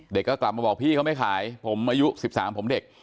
เด็กก็กลับมาบอกพี่เขาไม่ขายผมอายุสิบสามผมเด็ก